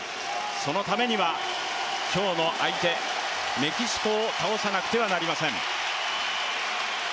そのためには、今日の相手、メキシコを倒さなくてはなりません。